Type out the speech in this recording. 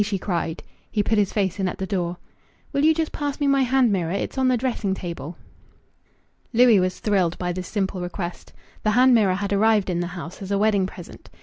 she cried. He put his face in at the door. "Will you just pass me my hand mirror. It's on the dressing table." Louis was thrilled by this simple request. The hand mirror had arrived in the house as a wedding present.